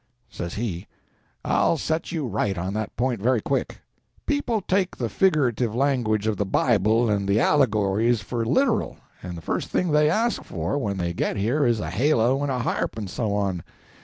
Says he— "I'll set you right on that point very quick. People take the figurative language of the Bible and the allegories for literal, and the first thing they ask for when they get here is a halo and a harp, and so on.